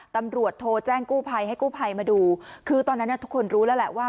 ตำรวจโทรแจ้งกู้ภัยให้กู้ภัยมาดูคือตอนนั้นทุกคนรู้แล้วแหละว่า